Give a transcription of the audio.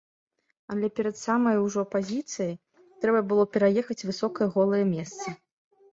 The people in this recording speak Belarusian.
Але перад самай ужо пазіцыяй трэба было пераехаць высокае голае месца.